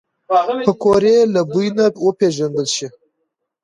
پکورې له بوی نه وپیژندل شي